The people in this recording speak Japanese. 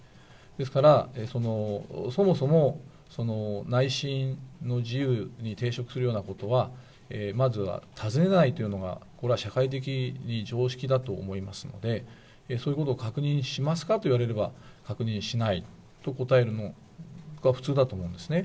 ですから、そもそも内心の自由に抵触するようなことは、まずは尋ねないというのが、これは社会的常識だと思いますので、そういうことを確認しますかと言われれば、確認しないと答えるのが普通だと思うんですね。